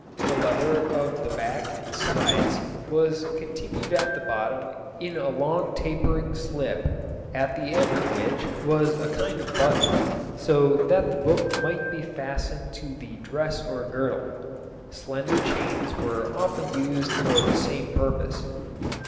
The leather of the back and sides was continued at the bottom in a long tapering slip, at the end of which was a kind of button, so that the book might be fastened to the dress or girdle. Slender chains were often used for the same purpose.